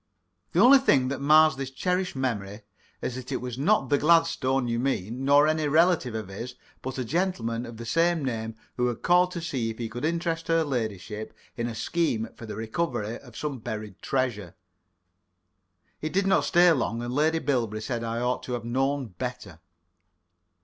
The only thing that mars this cherished memory is that it was not the Gladstone you mean, nor any relative of his, but a gentleman of the same name who had called to see if he could interest her ladyship in a scheme for the recovery of some buried treasure. He did not stay long, and Lady Bilberry said I ought to have known better.